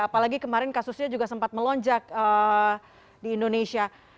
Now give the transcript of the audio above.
apalagi kemarin kasusnya juga sempat melonjak di indonesia